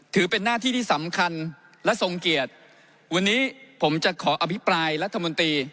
ถือเป็นหน้าที่ที่สำคัญและทรงเกียรติวันนี้ผมจะขออภิปรายรัฐมนตรี